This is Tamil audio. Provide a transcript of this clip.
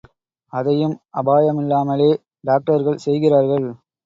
அதையும் அபாயமில்லாமலே டாக்டர்கள் செய்கிறார்கள்.